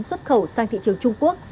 xuất khẩu sang thị trường trung quốc